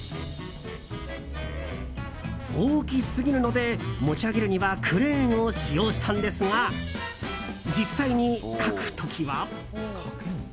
大きすぎるので、持ち上げるにはクレーンを使用したんですが実際に書く時は。